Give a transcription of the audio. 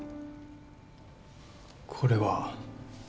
これは？